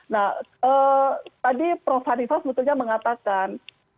nah tadi prof hanifah sebetulnya mengatakan